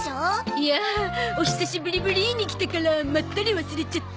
いやお久しぶりぶりに来たからまったり忘れちゃって。